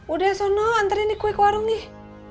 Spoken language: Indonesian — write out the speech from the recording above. udah ya sono antarin di kue ke warung nih